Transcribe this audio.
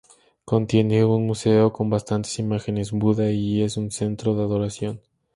Contiene un museo con bastantes imágenes Buda y es un centro de adoración.